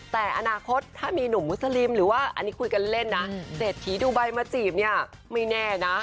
แต่อนาคตถ้ามีหนุ่มมุสลิมหรือว่าอันนี้คุยกันเล่นนะเศรษฐีดูใบมาจีบเนี่ยไม่แน่นะ